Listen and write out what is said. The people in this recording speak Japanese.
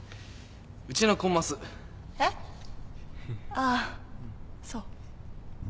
ああそう。